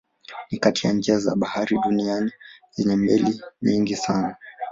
Ni kati ya njia za bahari duniani zenye meli nyingi sana.